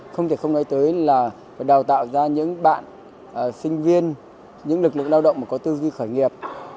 không thể không nói tới là đào tạo ra những bạn sinh viên những lực lượng lao động mà có tư duy khởi nghiệp